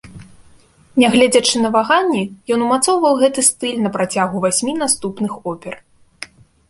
Нягледзячы на ваганні, ён умацоўваў гэты стыль на працягу васьмі наступных опер.